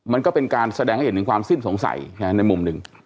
มันก็เป็นการแสดงให้เห็นถึงความสิ้นสงสัยในมุมหนึ่ง